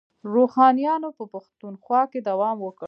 روښانیانو په پښتونخوا کې دوام وکړ.